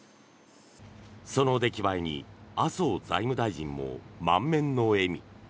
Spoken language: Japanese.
その出来栄えに麻生財務大臣も満面の笑み。